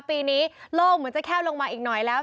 ปีนี้โลกเหมือนจะแคบลงมาอีกหน่อยแล้ว